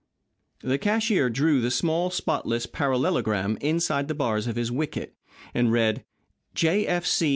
The cashier drew the small, spotless parallelogram inside the bars of his wicket, and read: J.